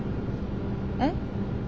えっ？